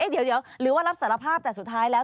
เดี๋ยวหรือว่ารับสารภาพแต่สุดท้ายแล้ว